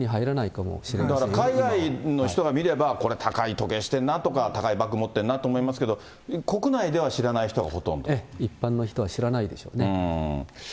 海外の人が見れば、これ高い時計してるなとか、高いバッグ持ってるなと思いますけど、一般の人は知らないでしょうね。